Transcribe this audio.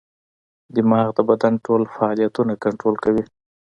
دماغ د بدن ټول فعالیتونه کنټرول کوي.